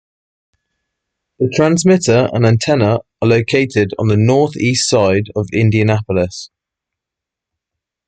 The transmitter and antenna are located on the Northeast side of Indianapolis.